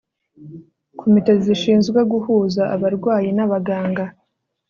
KOMITE ZISHINZWE GUHUZA ABARWAYI N ABAGANGA